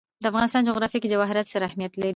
د افغانستان جغرافیه کې جواهرات ستر اهمیت لري.